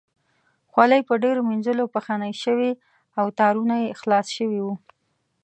خولۍ په ډېرو مینځلو پښنې شوې او تارونه یې خلاص شوي وو.